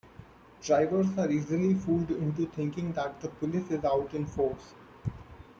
Drivers are easily fooled into thinking that the police is out in force.